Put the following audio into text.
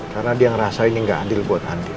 karena dia ngerasa ini gak adil buat andien